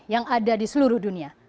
yang ada di seluruh dunia